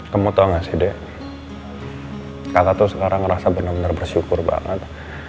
kamu tau gak sih deh kakak tuh sekarang ngerasa bener bener bersyukur banget